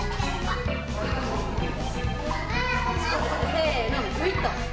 せのグッと。